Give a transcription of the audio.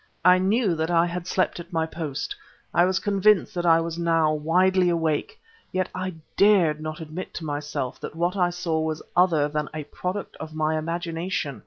I knew that I had slept at my post; I was convinced that I was now widely awake; yet I dared not admit to myself that what I saw was other than a product of my imagination.